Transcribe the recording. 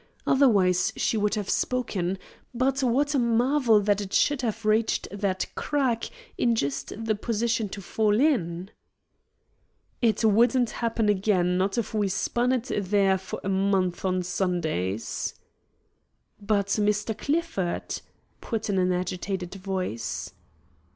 Otherwise, she would have spoken. But what a marvel that it should have reached that crack in just the position to fall in!" "It wouldn't happen again, not if we spun it there for a month of Sundays." "But Mr. Clifford!" put in an agitated voice.